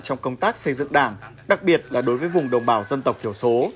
trong công tác xây dựng đảng đặc biệt là đối với vùng đồng bào dân tộc thiểu số